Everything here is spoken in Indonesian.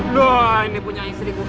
lah ini punya istriku